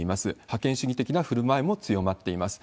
覇権主義的な振る舞いも強まっています。